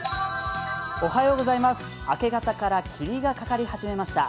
明け方から霧がかかり始めました。